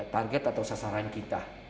target atau sasaran kita